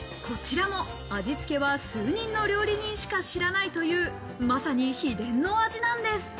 こちらも味つけに関しては、数人の料理人しか知らないという、まさに秘伝の味なんです。